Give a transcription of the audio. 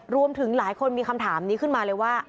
รวมถึงหลายคนมีคำถามนี้ขึ้นมาเลยว่า